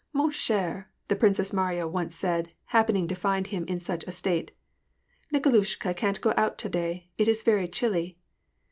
^*Mon cher" the Princess Mariya once said, happening to find him in such a state, *' Nikolushka can't go out to day : it is very chilly.'